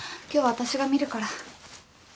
今日は私が診るから。